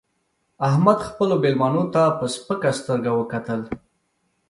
احمد خپلو مېلمنو ته په سپکه سترګه وکتل